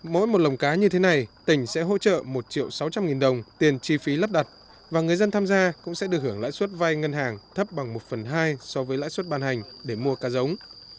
mỗi một lồng cá như thế này tỉnh sẽ hỗ trợ một triệu sáu trăm linh nghìn đồng tiền chi phí lắp đặt và người dân tham gia cũng sẽ được hưởng lãi suất vai ngân hàng thấp bằng một phần hai so với lãi suất ban hành để mua cá giống